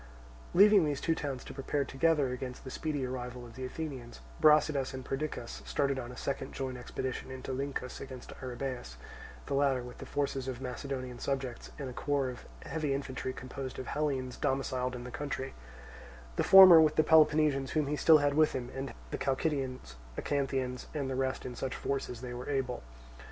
Leaving these two towns to prepare together against the speedy arrival of the Athenians, Brasidas and Perdiccas started on a second joint expedition into Lyncus against Arrhabaeus; the latter with the forces of his Macedonian subjects, and a corps of heavy infantry composed of Hellenes domiciled in the country; the former with the Peloponnesians whom he still had with him and the Chalcidians, Acanthians, and the rest in such force as they were able.